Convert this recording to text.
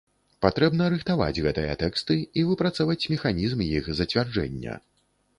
Патрэбна рыхтаваць гэтыя тэксты і выпрацаваць механізм іх зацвярджэння.